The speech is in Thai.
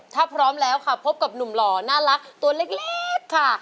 ถ้าพร้อมแล้วค่ะพบกับหนุ่มหล่อน่ารักตัวเล็กค่ะ